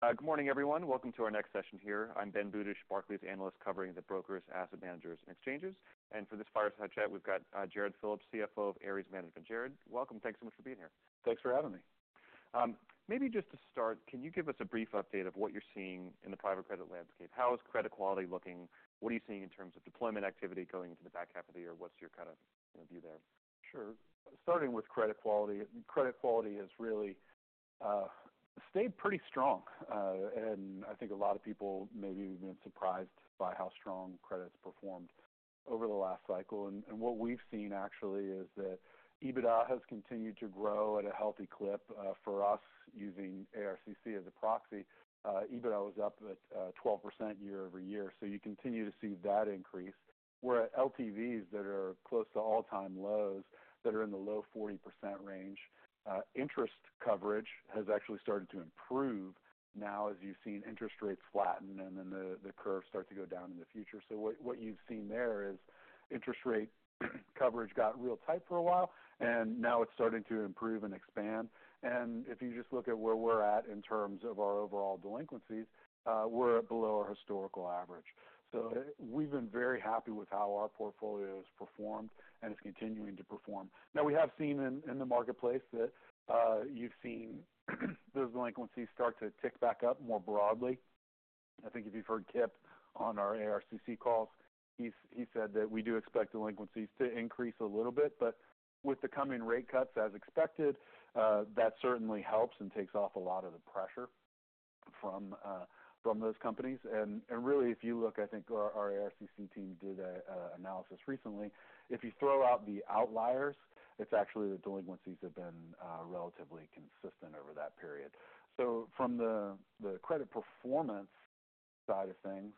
Good morning, everyone. Welcome to our next session here. I'm Ben Budish, Barclays analyst, covering the brokers, asset managers, and exchanges, and for this fireside chat, we've got Jared Phillips, CFO of Ares Management. Jared, welcome. Thanks so much for being here. Thanks for having me. Maybe just to start, can you give us a brief update of what you're seeing in the private credit landscape? How is credit quality looking? What are you seeing in terms of deployment activity going into the back half of the year? What's your kind of view there? Sure. Starting with credit quality, credit quality has really stayed pretty strong, and I think a lot of people maybe even been surprised by how strong credit's performed over the last cycle, and what we've seen actually is that EBITDA has continued to grow at a healthy clip. For us, using ARCC as a proxy, EBITDA was up at 12% year over year, so you continue to see that increase, where LTVs that are close to all-time lows, that are in the low 40% range, interest coverage has actually started to improve now, as you've seen interest rates flatten and then the curve start to go down in the future, so what you've seen there is interest rate coverage got real tight for a while, and now it's starting to improve and expand. If you just look at where we're at in terms of our overall delinquencies, we're below our historical average. We've been very happy with how our portfolio has performed and is continuing to perform. Now, we have seen in the marketplace that you've seen those delinquencies start to tick back up more broadly. I think if you've heard Kip on our ARCC calls, he said that we do expect delinquencies to increase a little bit, but with the coming rate cuts as expected, that certainly helps and takes off a lot of the pressure from those companies. Really, if you look, I think our ARCC team did a analysis recently. If you throw out the outliers, it's actually the delinquencies have been relatively consistent over that period. So from the credit performance side of things,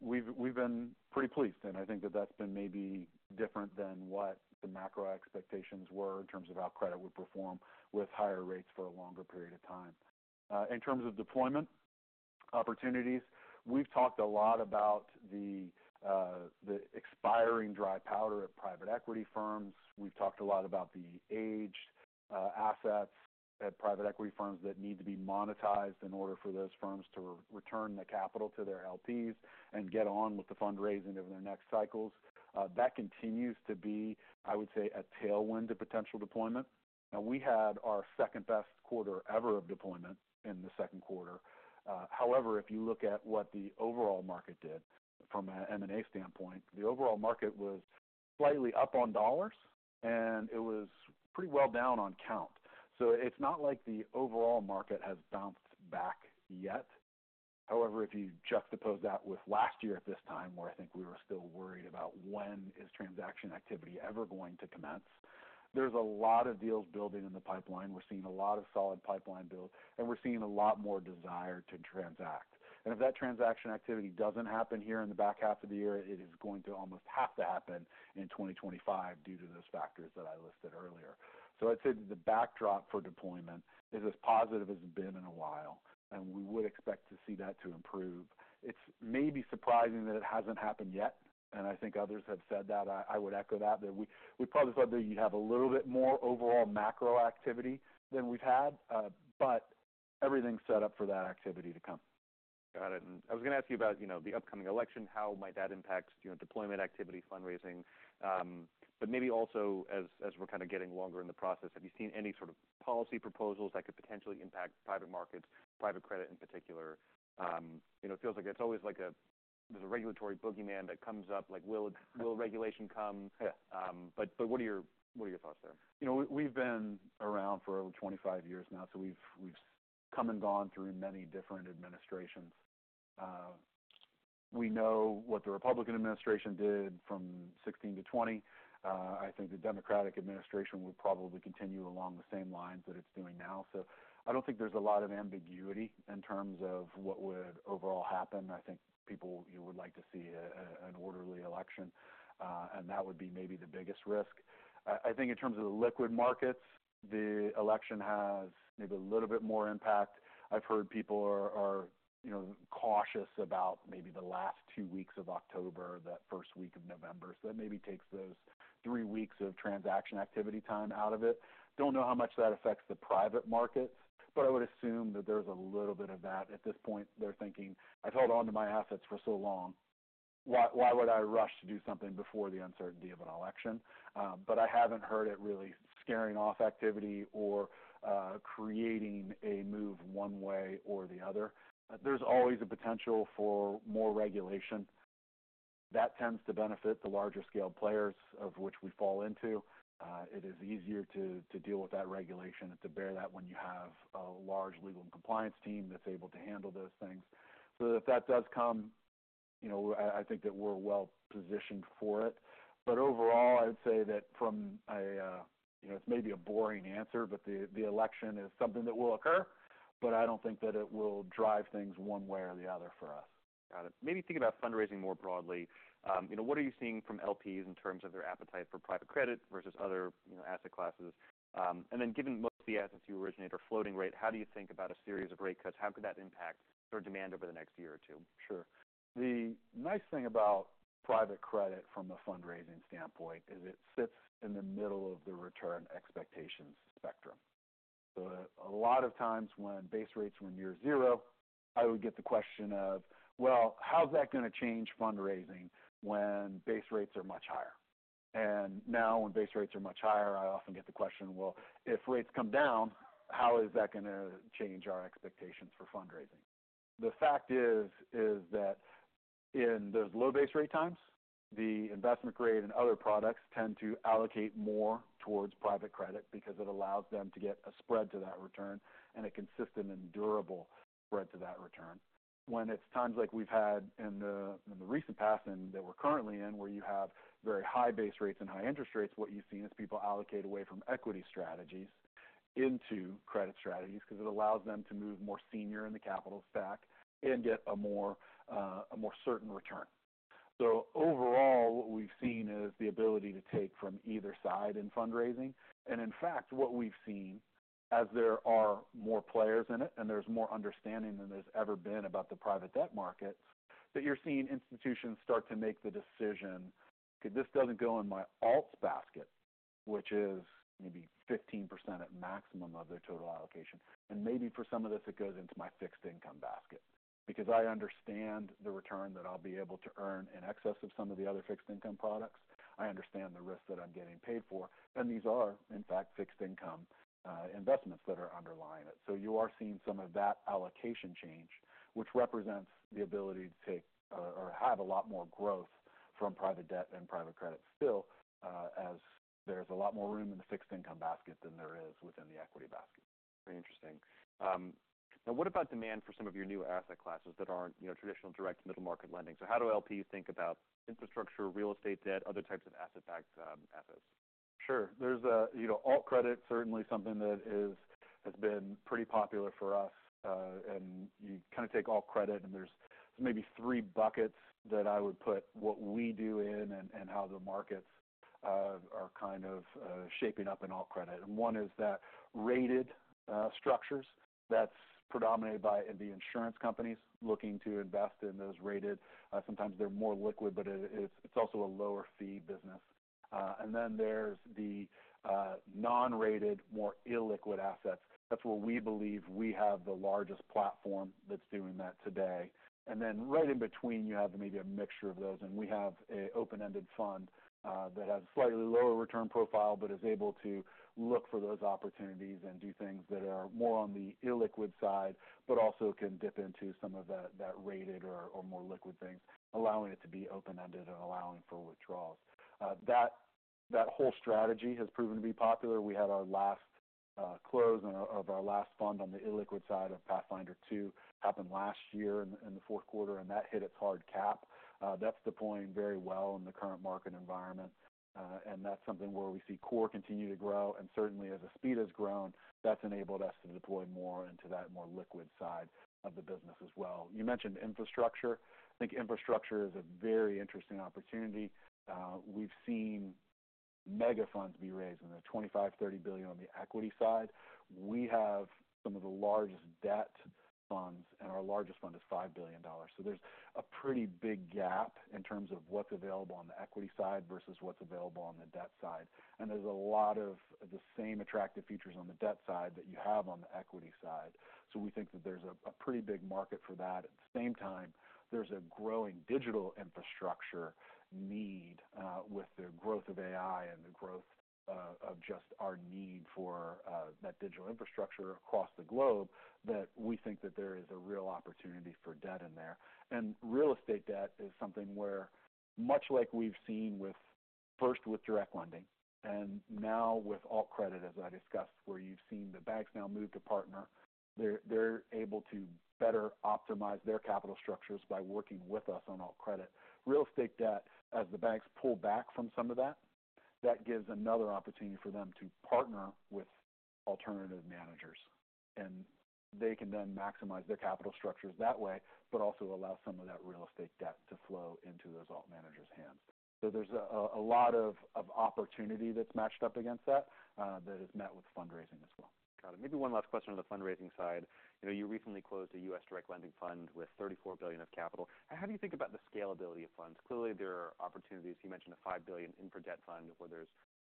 we've been pretty pleased, and I think that that's been maybe different than what the macro expectations were in terms of how credit would perform with higher rates for a longer period of time. In terms of deployment opportunities, we've talked a lot about the expiring dry powder at private equity firms. We've talked a lot about the aged assets at private equity firms that need to be monetized in order for those firms to re-return the capital to their LPs and get on with the fundraising of their next cycles. That continues to be, I would say, a tailwind to potential deployment. Now, we had our second-best quarter ever of deployment in the second quarter. However, if you look at what the overall market did from an M&A standpoint, the overall market was slightly up on dollars, and it was pretty well down on count. So it's not like the overall market has bounced back yet. However, if you juxtapose that with last year at this time, where I think we were still worried about when is transaction activity ever going to commence, there's a lot of deals building in the pipeline. We're seeing a lot of solid pipeline build, and we're seeing a lot more desire to transact, and if that transaction activity doesn't happen here in the back half of the year, it is going to almost have to happen in twenty twenty-five due to those factors that I listed earlier. So I'd say the backdrop for deployment is as positive as it's been in a while, and we would expect to see that to improve. It's maybe surprising that it hasn't happened yet, and I think others have said that. I would echo that we probably thought that you'd have a little bit more overall macro activity than we've had, but everything's set up for that activity to come. Got it and I was going to ask you about, you know, the upcoming election. How might that impact, you know, deployment activity, fundraising? But maybe also as we're kind of getting longer in the process, have you seen any sort of policy proposals that could potentially impact private markets, private credit in particular? You know, it feels like it's always like a, there's a regulatory boogeyman that comes up, like, will it, will regulation come? Yeah. What are your thoughts there? You know, we've been around for over twenty-five years now, so we've come and gone through many different administrations. We know what the Republican administration did from 2016 to 2020. I think the Democratic administration would probably continue along the same lines that it's doing now, so I don't think there's a lot of ambiguity in terms of what would overall happen. I think people you would like to see an orderly election, and that would be maybe the biggest risk. I think in terms of the liquid markets, the election has maybe a little bit more impact. I've heard people are you know, cautious about maybe the last two weeks of October, that first week of November, so that maybe takes those three weeks of transaction activity time out of it. Don't know how much that affects the private markets, but I would assume that there's a little bit of that. At this point, they're thinking, "I've held on to my assets for so long. Why, why would I rush to do something before the uncertainty of an election?" But I haven't heard it really scaring off activity or creating a move one way or the other. There's always a potential for more regulation. That tends to benefit the larger-scale players of which we fall into. It is easier to deal with that regulation and to bear that when you have a large legal and compliance team that's able to handle those things. So if that does come, you know, I think that we're well positioned for it. But overall, I'd say that from a... You know, it's maybe a boring answer, but the election is something that will occur, but I don't think that it will drive things one way or the other for us. Got it. Maybe think about fundraising more broadly. You know, what are you seeing from LPs in terms of their appetite for private credit versus other, you know, asset classes? And then given most of the assets you originate are floating rate, how do you think about a series of rate cuts? How could that impact their demand over the next year or two? Sure. The nice thing about private credit from a fundraising standpoint is it sits in the middle of the return expectations spectrum. So a lot of times when base rates were near zero, I would get the question of: Well, how's that going to change fundraising when base rates are much higher? And now when base rates are much higher, I often get the question: Well, if rates come down, how is that gonna change our expectations for fundraising? The fact is, that in those low base rate times, the investment grade and other products tend to allocate more towards private credit because it allows them to get a spread to that return and a consistent and durable spread to that return. When it's times like we've had in the recent past and that we're currently in, where you have very high base rates and high interest rates, what you've seen is people allocate away from equity strategies into credit strategies because it allows them to move more senior in the capital stack and get a more certain return. So overall, what we've seen is the ability to take from either side in fundraising. And in fact, what we've seen, as there are more players in it, and there's more understanding than there's ever been about the private debt markets, that you're seeing institutions start to make the decision, "Okay, this doesn't go in my alts basket," which is maybe 15% at maximum of their total allocation. Maybe for some of this, it goes into my fixed income basket because I understand the return that I'll be able to earn in excess of some of the other fixed income products. I understand the risk that I'm getting paid for, and these are, in fact, fixed income investments that are underlying it." So you are seeing some of that allocation change, which represents the ability to take or have a lot more growth from private debt and private credit still, as there's a lot more room in the fixed income basket than there is within the equity basket. Very interesting. Now, what about demand for some of your new asset classes that aren't, you know, traditional direct middle-market lending? So how do LPs think about infrastructure, real estate debt, other types of asset-backed, assets? Sure. You know, alt credit, certainly something that has been pretty popular for us, and you take alt credit, and there's maybe three buckets that I would put what we do in and how the markets are kind of shaping up in alt credit. One is that rated structures. That's predominated by the insurance companies looking to invest in those rated. Sometimes they're more liquid, but it's also a lower fee business, and then there's the non-rated, more illiquid assets. That's where we believe we have the largest platform that's doing that today. And then right in between, you have maybe a mixture of those, and we have an open-ended fund that has slightly lower return profile, but is able to look for those opportunities and do things that are more on the illiquid side, but also can dip into some of that rated or more liquid things, allowing it to be open-ended and allowing for withdrawals. That whole strategy has proven to be popular. We had our last close on one of our last funds on the illiquid side of Pathfinder II, happened last year in the fourth quarter, and that hit its hard cap. That's deploying very well in the current market environment, and that's something where we see core continue to grow, and certainly as speed has grown, that's enabled us to deploy more into that more liquid side of the business as well. You mentioned infrastructure. I think infrastructure is a very interesting opportunity. We've seen mega funds be raised, in the $25-$30 billion on the equity side. We have some of the largest debt funds, and our largest fund is $5 billion, so there's a pretty big gap in terms of what's available on the equity side versus what's available on the debt side, and there's a lot of the same attractive features on the debt side that you have on the equity side, so we think that there's a pretty big market for that. At the same time, there's a growing digital infrastructure need, with the growth of AI and the growth of just our need for that digital infrastructure across the globe, that we think that there is a real opportunity for debt in there. Real estate debt is something where, much like we've seen with, first with direct lending and now with alt credit, as I discussed, where you've seen the banks now move to partner, they're able to better optimize their capital structures by working with us on alt credit. Real estate debt, as the banks pull back from some of that, that gives another opportunity for them to partner with alternative managers, and they can then maximize their capital structures that way, but also allow some of that real estate debt to flow into those alt managers' hands. So there's a lot of opportunity that's matched up against that that is met with fundraising as well. Got it. Maybe one last question on the fundraising side. You know, you recently closed a U.S. direct lending fund with $34 billion of capital. How do you think about the scalability of funds? Clearly, there are opportunities. You mentioned a $5 billion infra debt fund where there's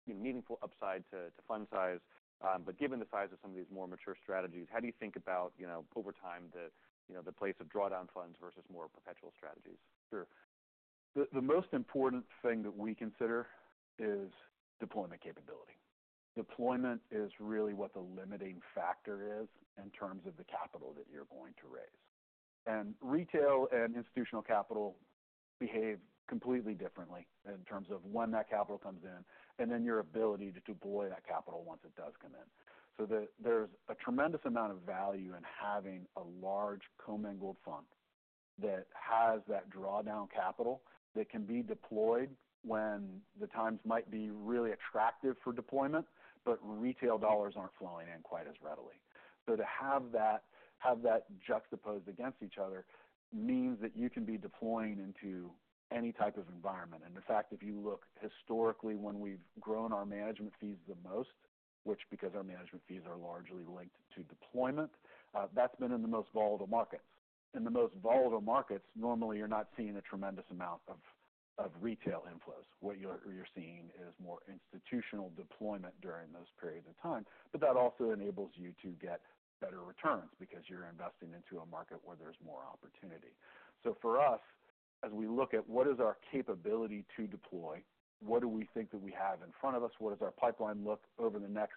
meaningful upside to fund size. But given the size of some of these more mature strategies, how do you think about, you know, over time, the, you know, the place of drawdown funds versus more perpetual strategies? Sure. The most important thing that we consider is deployment capability. Deployment is really what the limiting factor is in terms of the capital that you're going to raise, and retail and institutional capital behave completely differently in terms of when that capital comes in, and then your ability to deploy that capital once it does come in. So, there's a tremendous amount of value in having a large commingled fund that has that drawdown capital, that can be deployed when the times might be really attractive for deployment, but retail dollars aren't flowing in quite as readily, so to have that juxtaposed against each other means that you can be deploying into any type of environment, and the fact, if you look historically, when we've grown our management fees the most,... which because our management fees are largely linked to deployment, that's been in the most volatile markets. In the most volatile markets, normally, you're not seeing a tremendous amount of retail inflows. What you're seeing is more institutional deployment during those periods of time. But that also enables you to get better returns because you're investing into a market where there's more opportunity. So for us, as we look at what is our capability to deploy? What do we think that we have in front of us? What does our pipeline look like over the next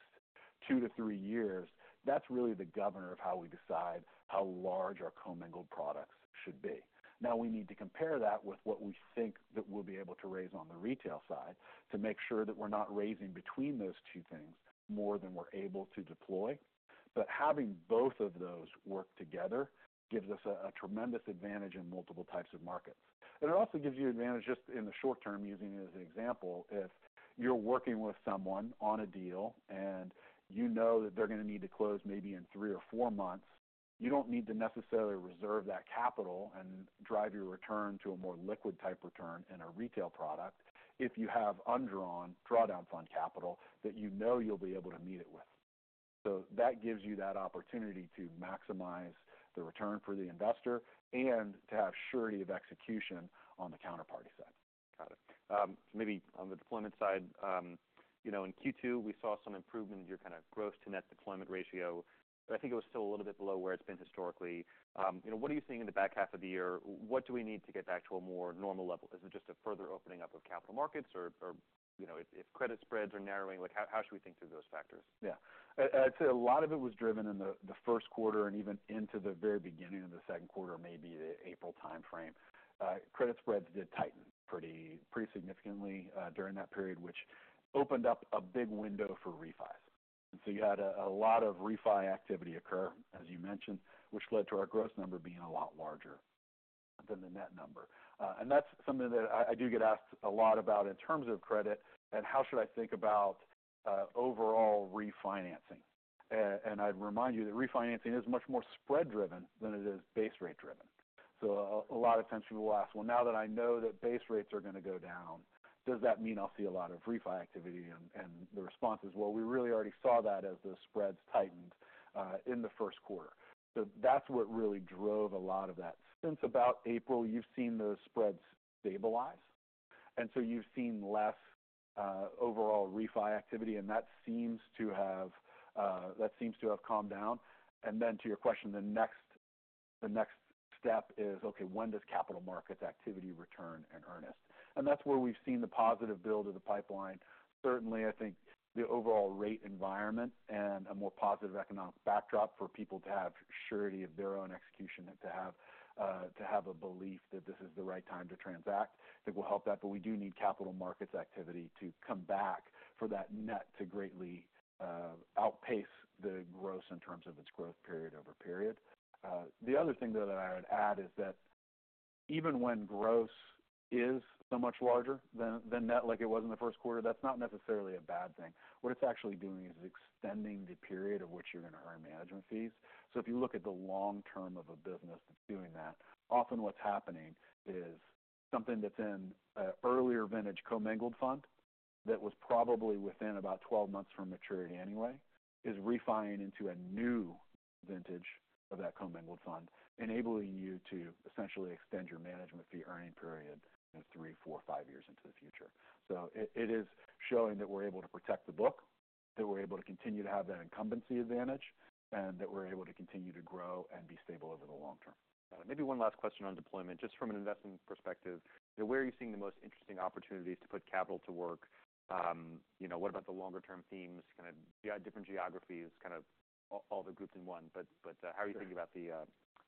two to three years? That's really the governor of how we decide how large our commingled products should be. Now, we need to compare that with what we think that we'll be able to raise on the retail side, to make sure that we're not raising between those two things more than we're able to deploy but having both of those work together gives us a tremendous advantage in multiple types of markets, and it also gives you advantage just in the short term, using it as an example, if you're working with someone on a deal and you know that they're going to need to close maybe in three or four months, you don't need to necessarily reserve that capital and drive your return to a more liquid type return in a retail product if you have undrawn drawdown fund capital that you know you'll be able to meet it with. So that gives you that opportunity to maximize the return for the investor and to have surety of execution on the counterparty side. Got it. Maybe on the deployment side, you know, in Q2, we saw some improvement in your kind of gross to net deployment ratio. But I think it was still a little bit below where it's been historically. You know, what are you seeing in the back half of the year? What do we need to get back to a more normal level? Is it just a further opening up of capital markets, or, you know, if credit spreads are narrowing, like, how should we think through those factors? Yeah. I'd say a lot of it was driven in the first quarter and even into the very beginning of the second quarter, maybe the April timeframe. Credit spreads did tighten pretty significantly during that period, which opened up a big window for refis. And so you had a lot of refi activity occur, as you mentioned, which led to our gross number being a lot larger than the net number. And that's something that I do get asked a lot about in terms of credit, and how should I think about overall refinancing? And I'd remind you that refinancing is much more spread-driven than it is base rate-driven. So, a lot of times people will ask, "Well, now that I know that base rates are going to go down, does that mean I'll see a lot of refi activity?" And the response is: Well, we really already saw that as the spreads tightened in the first quarter. So that's what really drove a lot of that. Since about April, you've seen those spreads stabilize, and so you've seen less overall refi activity, and that seems to have calmed down. And then to your question, the next step is, okay, when does capital markets activity return in earnest? And that's where we've seen the positive build of the pipeline. Certainly, I think the overall rate environment and a more positive economic backdrop for people to have surety of their own execution and to have a belief that this is the right time to transact, it will help that. But we do need capital markets activity to come back for that net to greatly outpace the gross in terms of its growth period over period. The other thing, though, that I would add is that even when gross is so much larger than net, like it was in the first quarter, that's not necessarily a bad thing. What it's actually doing is extending the period of which you're going to earn management fees. So if you look at the long term of a business that's doing that, often what's happening is something that's in an earlier vintage commingled fund that was probably within about twelve months from maturity anyway, is refining into a new vintage of that commingled fund, enabling you to essentially extend your management fee earning period three, four, five years into the future. So it is showing that we're able to protect the book, that we're able to continue to have that incumbency advantage, and that we're able to continue to grow and be stable over the long term. Got it. Maybe one last question on deployment. Just from an investment perspective, where are you seeing the most interesting opportunities to put capital to work? You know, what about the longer term themes, kind of different geographies, kind of all the groups in one. But how are you thinking about the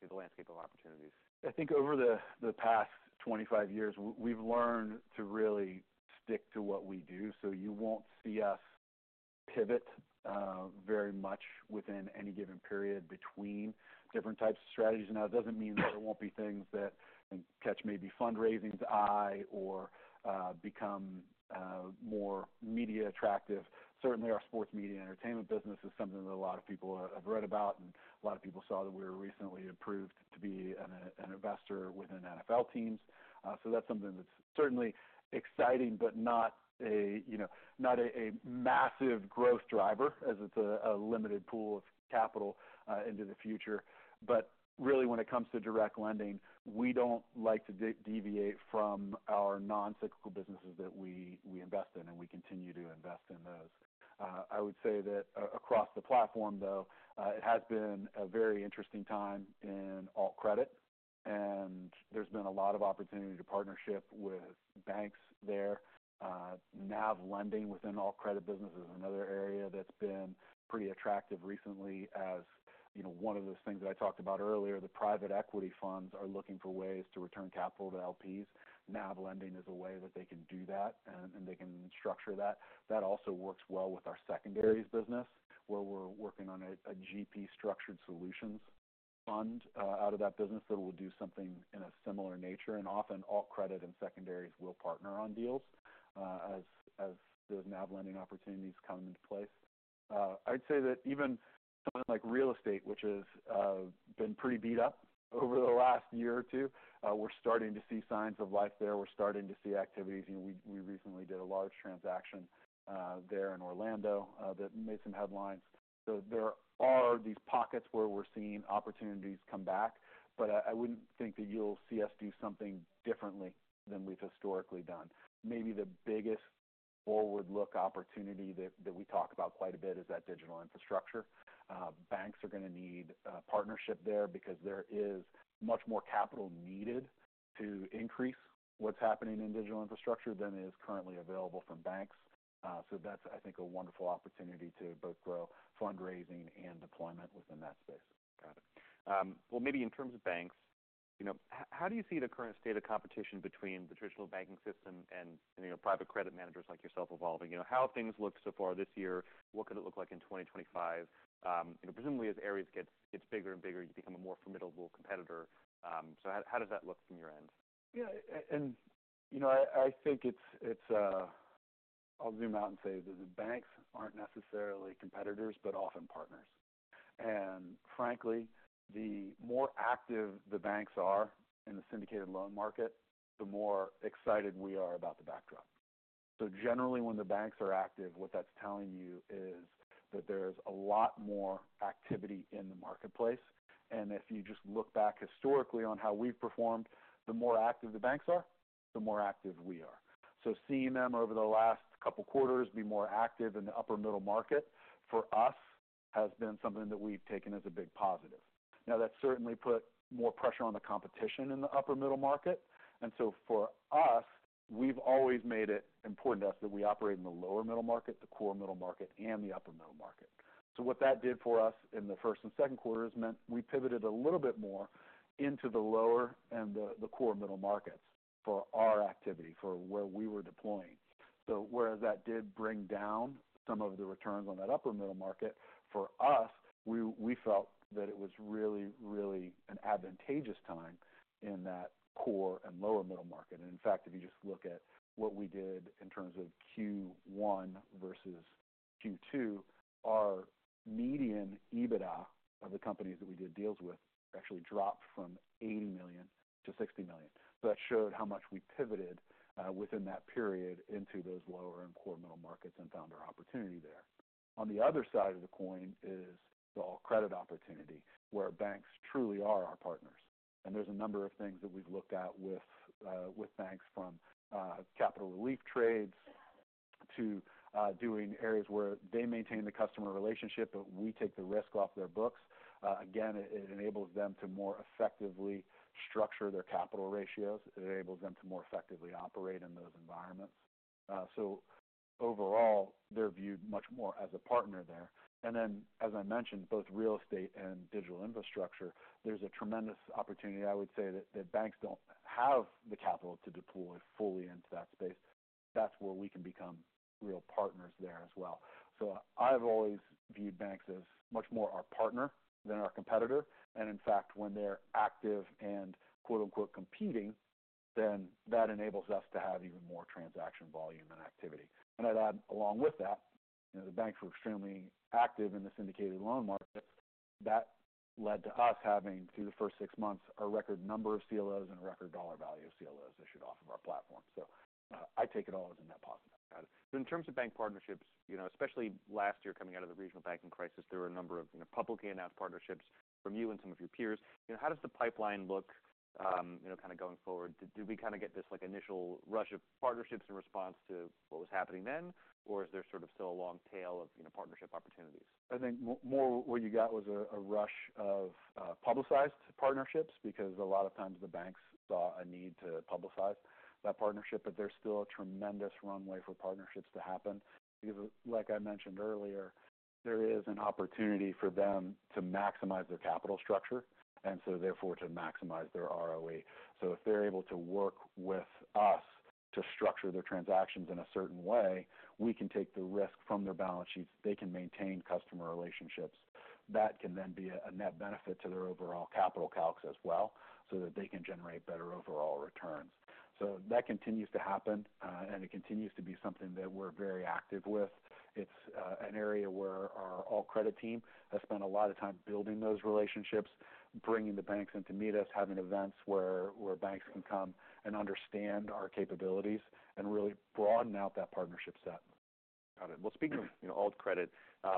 landscape of opportunities? I think over the past twenty-five years, we've learned to really stick to what we do. So you won't see us pivot very much within any given period between different types of strategies. Now, that doesn't mean that there won't be things that catch maybe fundraising's eye or become more media attractive. Certainly, our sports media entertainment business is something that a lot of people have read about, and a lot of people saw that we were recently approved to be an investor within NFL teams. So that's something that's certainly exciting but not a you know not a massive growth driver as it's a limited pool of capital into the future. But really, when it comes to direct lending, we don't like to deviate from our non-cyclical businesses that we invest in, and we continue to invest in those. I would say that across the platform, though, it has been a very interesting time in alt credit, and there's been a lot of opportunity to partnership with banks there. NAV lending within alt credit business is another area that's been pretty attractive recently, as you know, one of those things that I talked about earlier, the private equity funds are looking for ways to return capital to LPs. NAV lending is a way that they can do that and they can structure that. That also works well with our secondaries business, where we're working on a GP structured solutions fund out of that business that will do something in a similar nature. Often, alt credit and secondaries will partner on deals, as the NAV lending opportunities come into place. I'd say that even something like real estate, which has been pretty beat up over the last year or two, we're starting to see signs of life there. We're starting to see activities. You know, we recently did a large transaction there in Orlando that made some headlines. So there are these pockets where we're seeing opportunities come back, but I wouldn't think that you'll see us do something differently than we've historically done. Maybe the biggest forward-look opportunity that we talk about quite a bit is that digital infrastructure. Banks are gonna need partnership there because there is much more capital needed to increase what's happening in digital infrastructure than is currently available from banks. So that's, I think, a wonderful opportunity to both grow fundraising and deployment within that space. Got it. Well, maybe in terms of banks, you know, how do you see the current state of competition between the traditional banking system and, you know, private credit managers like yourself evolving? You know, how things look so far this year, what could it look like in twenty twenty-five? You know, presumably as Ares gets bigger and bigger, you become a more formidable competitor. So how does that look from your end? Yeah, and, you know, I think it's... I'll zoom out and say that the banks aren't necessarily competitors, but often partners. And frankly, the more active the banks are in the syndicated loan market, the more excited we are about the backdrop. So generally, when the banks are active, what that's telling you is that there's a lot more activity in the marketplace. And if you just look back historically on how we've performed, the more active the banks are, the more active we are. So seeing them over the last couple of quarters be more active in the upper middle market, for us, has been something that we've taken as a big positive. Now, that's certainly put more pressure on the competition in the upper middle market. And so for us, we've always made it important to us that we operate in the lower middle market, the core middle market, and the upper middle market. So what that did for us in the first and second quarter, it meant we pivoted a little bit more into the lower and the core middle markets for our activity, for where we were deploying. So whereas that did bring down some of the returns on that upper middle market, for us, we felt that it was really, really an advantageous time in that core and lower middle market. And in fact, if you just look at what we did in terms of Q1 versus Q2, our median EBITDA of the companies that we did deals with actually dropped from $80 million to $60 million. That showed how much we pivoted within that period into those lower and core middle markets and found our opportunity there. On the other side of the coin is all credit opportunity, where banks truly are our partners. And there's a number of things that we've looked at with banks from capital relief trades to doing areas where they maintain the customer relationship, but we take the risk off their books. Again, it enables them to more effectively structure their capital ratios. It enables them to more effectively operate in those environments. So overall, they're viewed much more as a partner there. And then, as I mentioned, both real estate and digital infrastructure, there's a tremendous opportunity, I would say, that banks don't have the capital to deploy fully into that space. That's where we can become real partners there as well, so I've always viewed banks as much more our partner than our competitor, and in fact, when they're active and quote, unquote, "competing," then that enables us to have even more transaction volume and activity, and I'd add along with that, you know, the banks were extremely active in the syndicated loan market. That led to us having, through the first six months, a record number of CLOs and a record dollar value of CLOs issued off of our platform, so I take it all as a net positive. Got it. So in terms of bank partnerships, you know, especially last year, coming out of the regional banking crisis, there were a number of, you know, publicly announced partnerships from you and some of your peers. You know, how does the pipeline look, you know, kind of going forward? Do we get this, like, initial rush of partnerships in response to what was happening then? Or is there sort of still a long tail of, you know, partnership opportunities? I think more what you got was a rush of publicized partnerships, because a lot of times the banks saw a need to publicize that partnership. But there's still a tremendous runway for partnerships to happen, because, like I mentioned earlier, there is an opportunity for them to maximize their capital structure, and so therefore, to maximize their ROE. So if they're able to work with us to structure their transactions in a certain way, we can take the risk from their balance sheets. They can maintain customer relationships. That can then be a net benefit to their overall capital calcs as well, so that they can generate better overall returns. So that continues to happen, and it continues to be something that we're very active with. It's an area where our alt credit team has spent a lot of time building those relationships, bringing the banks in to meet us, having events where banks can come and understand our capabilities and really broaden out that partnership set. Got it. Well, speaking of, you know, alt credit,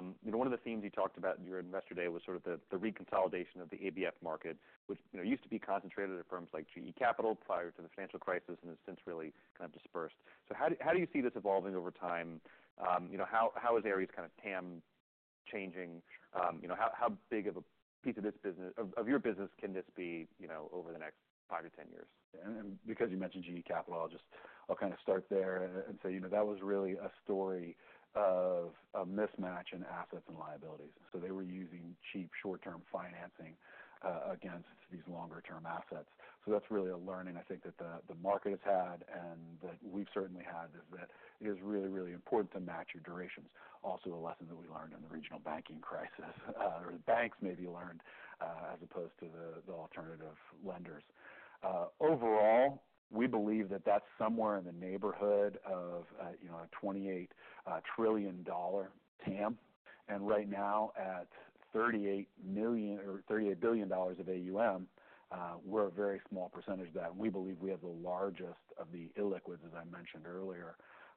you know, one of the themes you talked about in your Investor Day was sort of the reconsolidation of the ABF market, which, you know, used to be concentrated at firms like GE Capital prior to the financial crisis, and has since really kind of dispersed. So how do you see this evolving over time? You know, how is Ares kind of TAM changing? You know, how big of a piece of this business of your business can this be, you know, over the next five to 10 years? Because you mentioned GE Capital, I'll just kind of start there and say, you know, that was really a story of a mismatch in assets and liabilities. So they were using cheap, short-term financing against these longer-term assets. So that's really a learning, I think, that the market has had and that we've certainly had, is that it is really, really important to match your durations. Also, a lesson that we learned in the regional banking crisis, or the banks maybe learned, as opposed to the alternative lenders. Overall, we believe that that's somewhere in the neighborhood of, you know, a $28 trillion TAM. And right now, at $38 million or $38 billion of AUM, we're a very small percentage of that, and we believe we have the largest of the illiquid, as I mentioned earlier.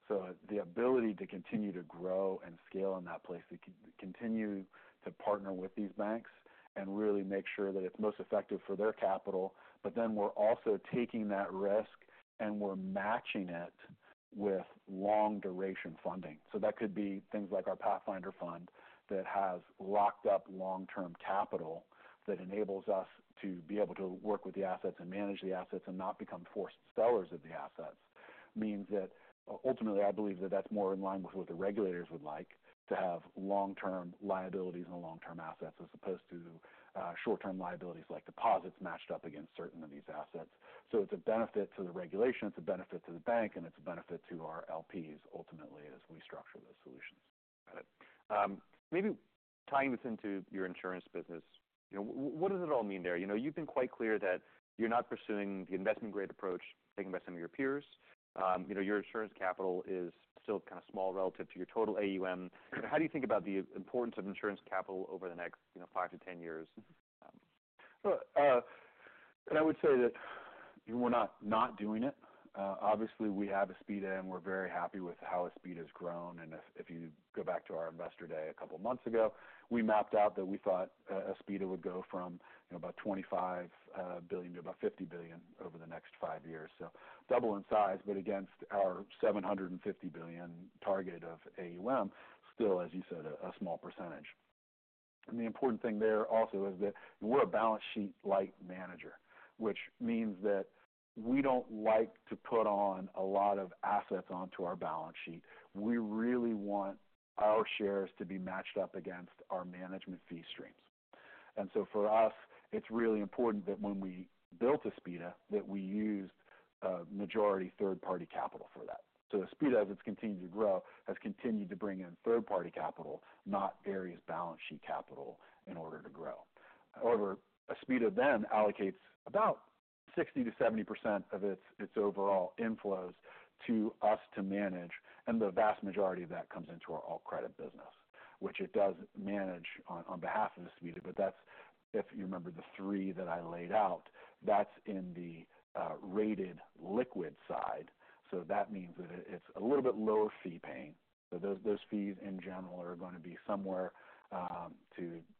So the ability to continue to grow and scale in that place, to continue to partner with these banks and really make sure that it's most effective for their capital. But then we're also taking that risk, and we're matching it with long-duration funding. So that could be things like our Pathfinder fund that has locked up long-term capital that enables us to be able to work with the assets and manage the assets and not become forced sellers of the assets. Means that ultimately, I believe that that's more in line with what the regulators would like: to have long-term liabilities and long-term assets, as opposed to short-term liabilities, like deposits matched up against certain of these assets. So it's a benefit to the regulation, it's a benefit to the bank, and it's a benefit to our LPs ultimately, as we structure those solutions. Got it. Maybe tying this into your insurance business, you know, what, what does it all mean there? You know, you've been quite clear that you're not pursuing the investment-grade approach taken by some of your peers. You know, your insurance capital is still kind of small relative to your total AUM. How do you think about the importance of insurance capital over the next, you know, five to 10 years? And I would say that we're not not doing it. Obviously, we have Aspida, and we're very happy with how Aspida has grown. And if you go back to our Investor Day, a couple of months ago, we mapped out that we thought Aspida would go from, you know, about $25 billion to about $50 billion over the next five years. So double in size, but against our $750 billion target of AUM, still, as you said, a small percentage. And the important thing there also is that we're a balance sheet light manager, which means that we don't like to put on a lot of assets onto our balance sheet. We really want our shares to be matched up against our management fee streams. And so for us, it's really important that when we built Aspida, that we used majority third-party capital for that. Aspida, as it's continued to grow, has continued to bring in third-party capital, not Ares balance sheet capital in order to grow. However, Aspida then allocates about 60%-70% of its overall inflows to us to manage, and the vast majority of that comes into our alt credit business, which it does manage on behalf of Aspida. But that's, if you remember the three that I laid out, that's in the rated liquid side. That means that it's a little bit lower fee paying. Those fees, in general, are gonna be somewhere to a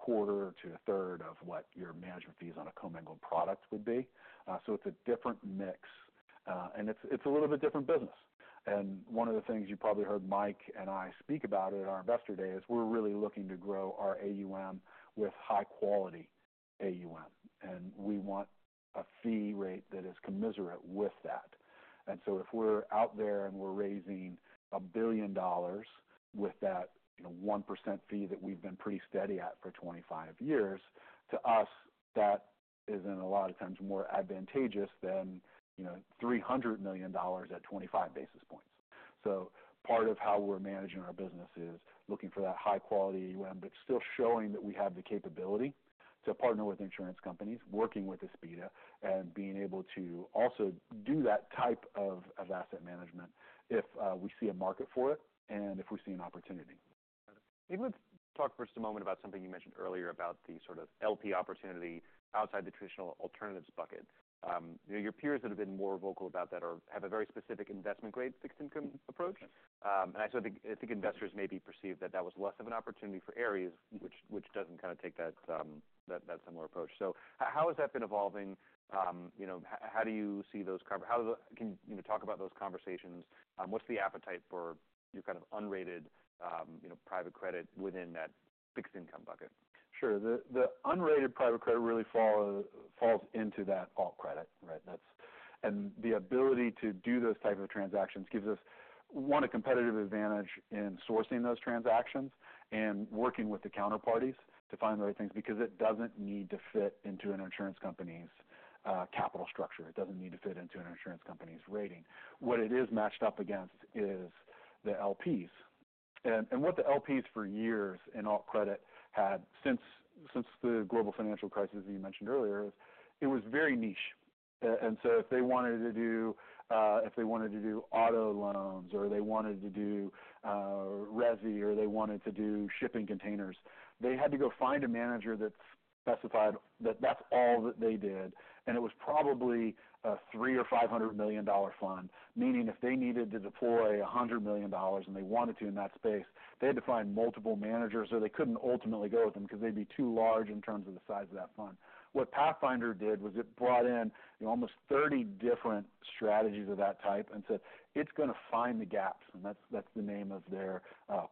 quarter to a third of what your management fees on a commingled product would be. So it's a different mix, and it's a little bit different business. And one of the things you probably heard Mike and I speak about at our Investor Day is we're really looking to grow our AUM with high-quality AUM, and we want a fee rate that is commensurate with that. And so if we're out there and we're raising $1 billion with that, you know, 1% fee that we've been pretty steady at for 25 years, to us, that isn't a lot of times more advantageous than, you know, $300 million at 25 basis points. Part of how we're managing our business is looking for that high quality AUM, but still showing that we have the capability to partner with insurance companies, working with Aspida, and being able to also do that type of asset management if we see a market for it and if we see an opportunity. Maybe let's talk for just a moment about something you mentioned earlier about the sort of LP opportunity outside the traditional alternatives bucket. You know, your peers that have been more vocal about that have a very specific investment-grade fixed income approach. And I so I think—I think investors maybe perceive that that was less of an opportunity for Ares, which doesn't kind of take that similar approach. So how has that been evolving? You know, how do you see those conversations? Can you talk about those conversations? What's the appetite for your kind of unrated, you know, private credit within that fixed income bucket? Sure. The unrated private credit really falls into that alt credit, right? That's... And the ability to do those type of transactions gives us, one, a competitive advantage in sourcing those transactions and working with the counterparties to find the right things, because it doesn't need to fit into an insurance company's capital structure. It doesn't need to fit into an insurance company's rating. What it is matched up against is the LPs. And what the LPs for years in alt credit had since the global financial crisis, as you mentioned earlier, is it was very niche. And so if they wanted to do auto loans or they wanted to do resi, or they wanted to do shipping containers, they had to go find a manager that specified that that's all that they did, and it was probably a $300-$500 million fund. Meaning, if they needed to deploy $100 million and they wanted to in that space, they had to find multiple managers, or they couldn't ultimately go with them because they'd be too large in terms of the size of that fund. What Pathfinder did was it brought in almost 30 different strategies of that type and said, it's gonna find the gaps, and that's the name of their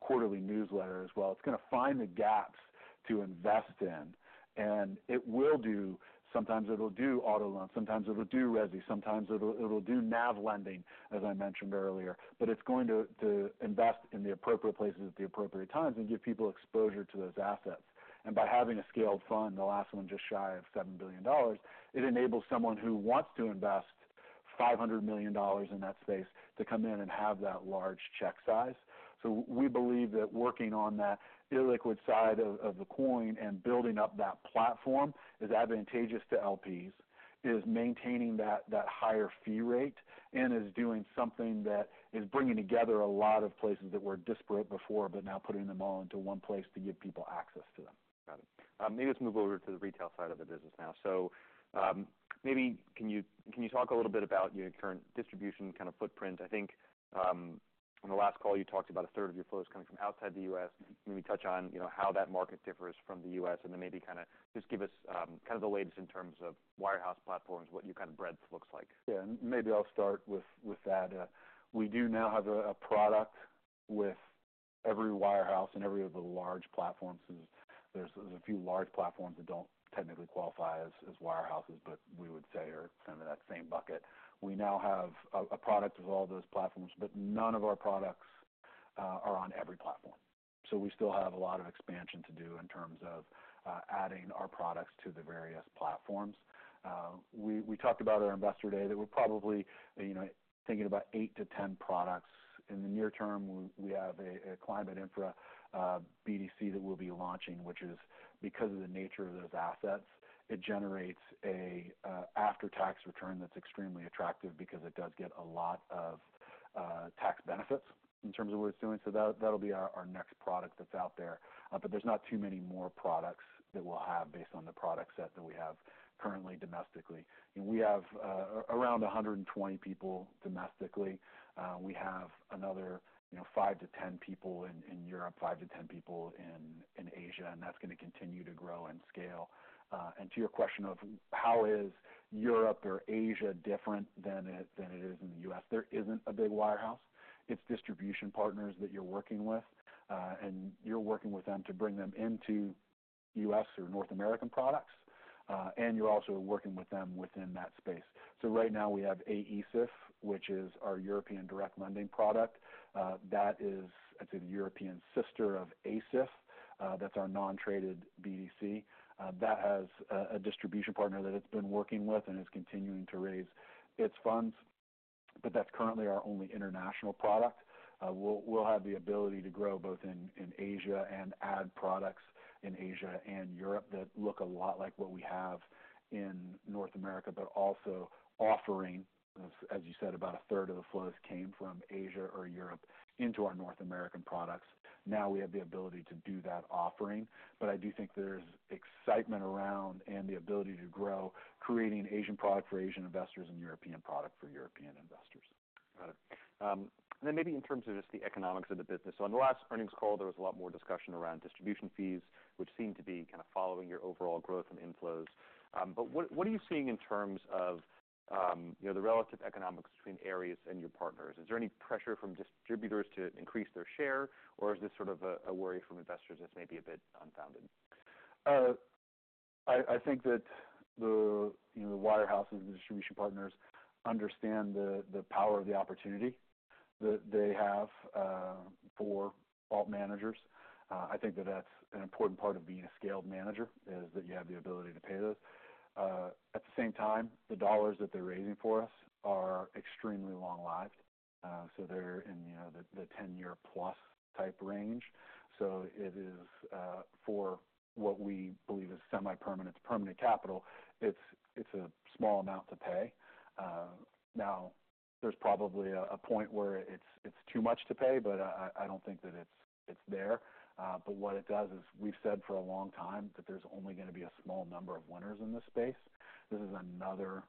quarterly newsletter as well. It's gonna find the gaps to invest in, and it will do, sometimes it'll do auto loans, sometimes it'll do resi, sometimes it'll do NAV lending, as I mentioned earlier, but it's going to invest in the appropriate places at the appropriate times and give people exposure to those assets, and by having a scaled fund, the last one just shy of $7 billion, it enables someone who wants to invest $500 million in that space to come in and have that large check size, so we believe that working on that illiquid side of the coin and building up that platform is advantageous to LPs, is maintaining that higher fee rate and is doing something that is bringing together a lot of places that were disparate before, but now putting them all into one place to give people access to them. Got it. Maybe let's move over to the retail side of the business now. So, maybe can you, can you talk a little bit about your current distribution kind of footprint? I think, on the last call, you talked about a third of your flows coming from outside the U.S. Maybe touch on, you know, how that market differs from the U.S., and then maybe kinda just give us, kind of the latest in terms of wirehouse platforms, what your kind of breadth looks like. Yeah, maybe I'll start with that. We do now have a product with every wirehouse and every of the large platforms. There's a few large platforms that don't technically qualify as wirehouses, but we would say are kind of in that same bucket. We now have a product with all those platforms, but none of our products are on every platform. So we still have a lot of expansion to do in terms of adding our products to the various platforms. We talked about our Investor Day. There were probably, you know, thinking about eight to ten products. In the near term, we have a climate infra BDC that we'll be launching, which is because of the nature of those assets, it generates a after-tax return that's extremely attractive because it does get a lot of tax benefits in terms of what it's doing. So that'll be our next product that's out there. But there's not too many more products that we'll have based on the product set that we have currently domestically. We have around 120 people domestically. We have another, you know, 5-10 people in Europe, 5-10 people in Asia, and that's gonna continue to grow and scale. And to your question of how is Europe or Asia different than it is in the U.S.? There isn't a big wirehouse. It's distribution partners that you're working with, and you're working with them to bring them into U.S. or North American products, and you're also working with them within that space. So right now we have AESIF, which is our European direct lending product. That is, it's a European sister of AESIF, that's our non-traded BDC. That has a distribution partner that it's been working with and is continuing to raise its funds, but that's currently our only international product. We'll have the ability to grow both in Asia and add products in Asia and Europe that look a lot like what we have in North America, but also offering, as you said, about a third of the flows came from Asia or Europe into our North American products. Now we have the ability to do that offering, but I do think there's excitement around and the ability to grow, creating Asian product for Asian investors and European product for European investors. Got it. Then maybe in terms of just the economics of the business. So on the last earnings call, there was a lot more discussion around distribution fees, which seem to be kind of following your overall growth and inflows. But what are you seeing in terms of, you know, the relative economics between Ares and your partners? Is there any pressure from distributors to increase their share, or is this sort of a worry from investors that's maybe a bit unfounded? I think that the, you know, the wirehouses and the distribution partners understand the power of the opportunity that they have for alt managers. I think that that's an important part of being a scaled manager, is that you have the ability to pay those. At the same time, the dollars that they're raising for us are extremely long-lived. So they're in, you know, the 10-year plus type range. So it is for what we believe is semi-permanent to permanent capital, it's a small amount to pay. Now there's probably a point where it's too much to pay, but I don't think that it's there. But what it does is, we've said for a long time that there's only gonna be a small number of winners in this space. This is another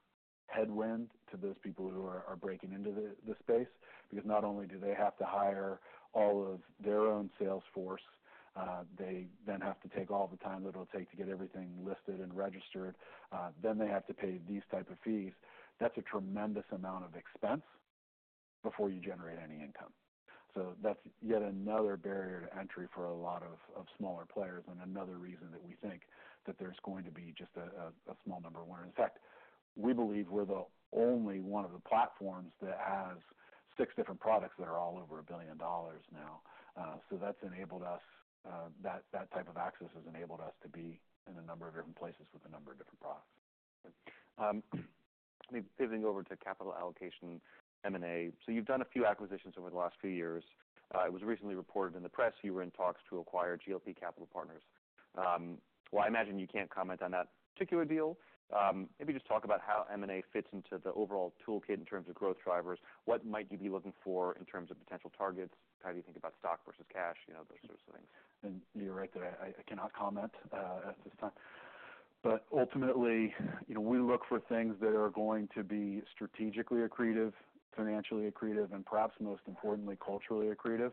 headwind to those people who are breaking into the space. Because not only do they have to hire all of their own sales force, they then have to take all the time that it'll take to get everything listed and registered, then they have to pay these type of fees. That's a tremendous amount of expense before you generate any income. So that's yet another barrier to entry for a lot of smaller players and another reason that we think that there's going to be just a small number of winners. In fact, we believe we're the only one of the platforms that has six different products that are all over $1 billion now. So that's enabled us. That type of access has enabled us to be in a number of different places with a number of different products. Pivoting over to capital allocation, M&A. So you've done a few acquisitions over the last few years. It was recently reported in the press you were in talks to acquire GLP Capital Partners. Well, I imagine you can't comment on that particular deal. Maybe just talk about how M&A fits into the overall toolkit in terms of growth drivers. What might you be looking for in terms of potential targets? How do you think about stock versus cash? You know, those sorts of things. And you're right that I cannot comment at this time. But ultimately, you know, we look for things that are going to be strategically accretive, financially accretive, and perhaps most importantly, culturally accretive.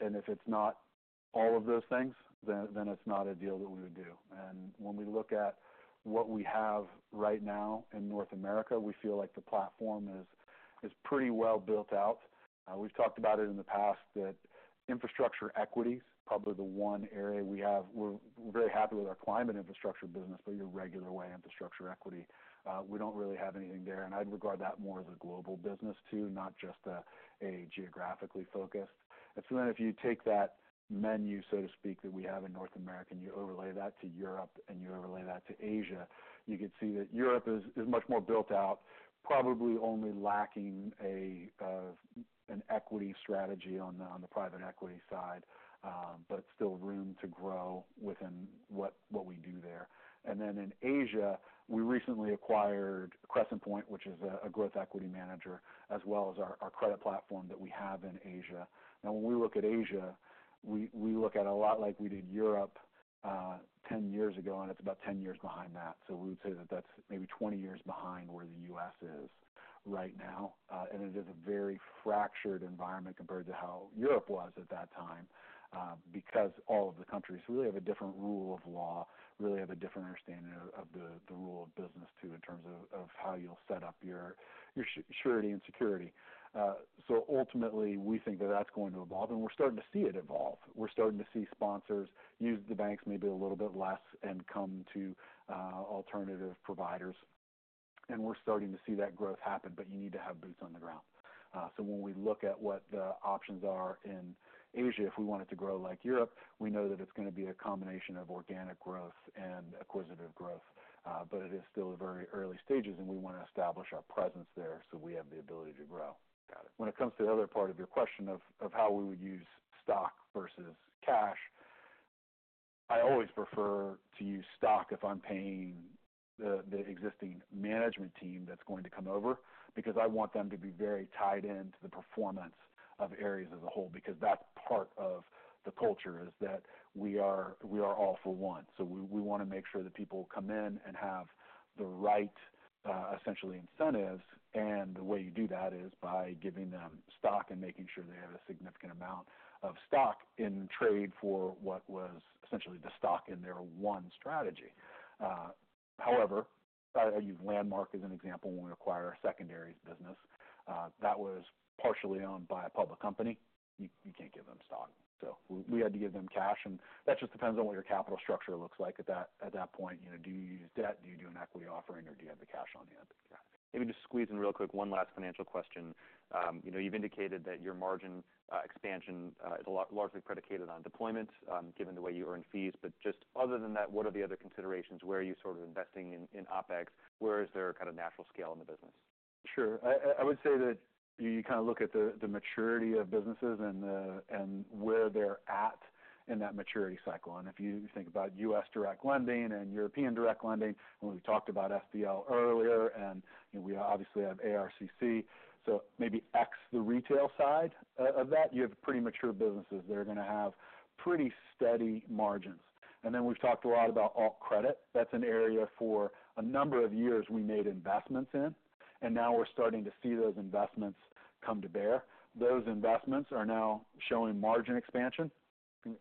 And if it's not all of those things, then it's not a deal that we would do. And when we look at what we have right now in North America, we feel like the platform is pretty well built out. We've talked about it in the past, that infrastructure equity, probably the one area we have. We're very happy with our climate infrastructure business, but your regular way, infrastructure equity, we don't really have anything there. And I'd regard that more as a global business, too, not just a geographically focused. And so then if you take that menu, so to speak, that we have in North America, and you overlay that to Europe, and you overlay that to Asia, you can see that Europe is much more built out, probably only lacking an equity strategy on the private equity side, but still room to grow within what we do there. And then in Asia, we recently acquired Crescent Point, which is a growth equity manager, as well as our credit platform that we have in Asia. Now, when we look at Asia, we look at a lot like we did Europe 10 years ago, and it's about 10 years behind that. So we would say that that's maybe 20 years behind where the U.S. is right now. And it is a very fractured environment compared to how Europe was at that time, because all of the countries really have a different rule of law, really have a different understanding of the rule of business, too, in terms of how you'll set up your surety and security. So ultimately, we think that that's going to evolve, and we're starting to see it evolve. We're starting to see sponsors use the banks maybe a little bit less and come to alternative providers, and we're starting to see that growth happen, but you need to have boots on the ground. So when we look at what the options are in Asia, if we want it to grow like Europe, we know that it's gonna be a combination of organic growth and acquisitive growth. But it is still at very early stages, and we wanna establish our presence there, so we have the ability to grow. Got it. When it comes to the other part of your question of how we would use stock versus cash, I always prefer to use stock if I'm paying the existing management team that's going to come over, because I want them to be very tied into the performance of Ares as a whole, because that's part of the culture, is that we are all for one. So we wanna make sure that people come in and have the right essentially incentives, and the way you do that is by giving them stock and making sure they have a significant amount of stock in trade for what was essentially the stock in their one strategy. However, I use Landmark as an example, when we acquired our secondaries business, that was partially owned by a public company. You can't give them stock. So we had to give them cash, and that just depends on what your capital structure looks like at that point. You know, do you use debt? Do you do an equity offering, or do you have the cash on hand? Yeah. Maybe just squeeze in real quick, one last financial question. You know, you've indicated that your margin expansion is largely predicated on deployment, given the way you earn fees. But just other than that, what are the other considerations? Where are you sort of investing in OpEx? Where is there kind of natural scale in the business? Sure. I would say that you kind of look at the maturity of businesses and where they're at in that maturity cycle. And if you think about US direct lending and European direct lending, and we talked about FDL earlier, and, you know, we obviously have ARCC. So maybe X, the retail side, of that, you have pretty mature businesses that are gonna have pretty steady margins. And then we've talked a lot about alt credit. That's an area for a number of years we made investments in, and now we're starting to see those investments come to bear. Those investments are now showing margin expansion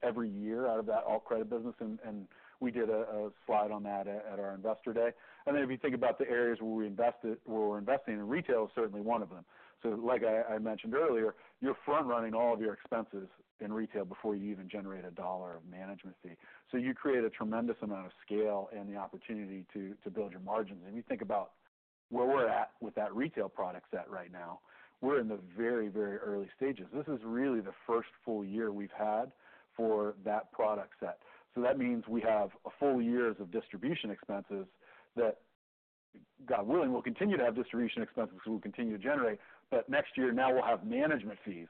every year out of that alt credit business, and we did a slide on that at our Investor Day. And then if you think about the areas where we invested, where we're investing, and retail is certainly one of them. So like I mentioned earlier, you're front-running all of your expenses in retail before you even generate a dollar of management fee. So you create a tremendous amount of scale and the opportunity to build your margins. If you think about where we're at with that retail product set right now, we're in the very, very early stages. This is really the first full year we've had for that product set. So that means we have a full years of distribution expenses that, God willing, we'll continue to have distribution expenses, we'll continue to generate, but next year, now we'll have management fees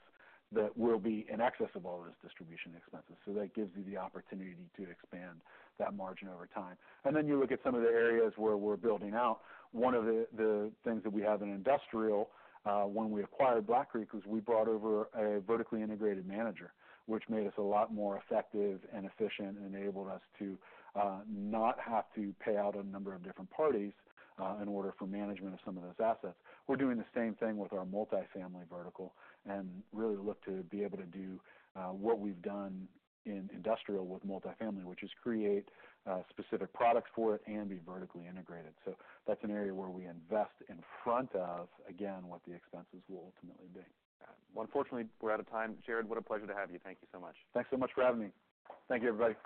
that will be in excess of all those distribution expenses. So that gives you the opportunity to expand that margin over time. And then you look at some of the areas where we're building out. One of the things that we have in industrial, when we acquired Black Creek Group, was we brought over a vertically integrated manager, which made us a lot more effective and efficient and enabled us to not have to pay out a number of different parties in order for management of some of those assets. We're doing the same thing with our multifamily vertical and really look to be able to do what we've done in industrial with multifamily, which is create specific products for it and be vertically integrated. So that's an area where we invest in front of, again, what the expenses will ultimately be. Unfortunately, we're out of time. Jared, what a pleasure to have you. Thank you so much. Thanks so much for having me. Thank you, everybody.